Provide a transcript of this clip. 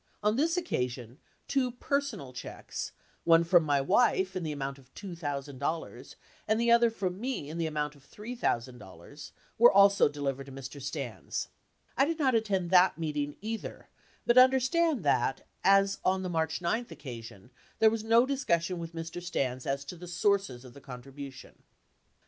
On this occasion, two personal checks, one from my wife in the amount of $2,000 and the other from me in the amount of $3,000, were also de livered to Mr. Stans. I did not attend that meeting either, but understand that, as on the March 9 occasion, there was no discussion with Mr. Stans as to the sources of the contribu tion.